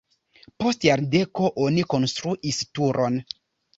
Post jardeko oni konstruis turon.